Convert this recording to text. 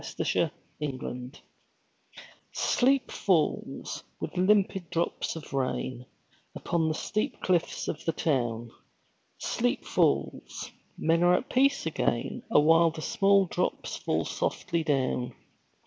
BELLS IN THE RAIN Sleep falls, with limpid drops of rain, Upon the steep cliffs of the town. Sleep falls; men are at peace again Awhile the small drops fall softly down.